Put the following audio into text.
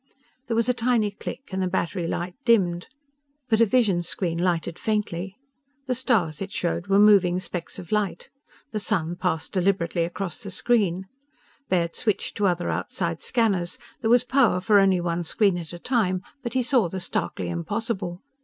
There was a tiny click, and the battery light dimmed. But a vision screen lighted faintly. The stars it showed were moving specks of light. The sun passed deliberately across the screen. Baird switched to other outside scanners. There was power for only one screen at a time. But he saw the starkly impossible.